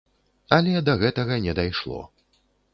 Але да гэтага не дайшло.